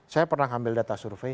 saya pernah ngambil data survei